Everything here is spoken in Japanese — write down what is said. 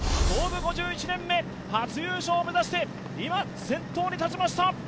創部５１年目、初優勝を目指して今、先頭に立ちました。